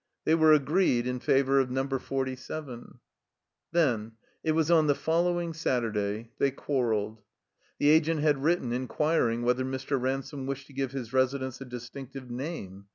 They were agreed in favor of Niamber Forty seven. Then — it was on the following Saturday — ^they quarreled. The Agent had written inquiring whether Mr. Ransome wished to give his residence a distinctive name.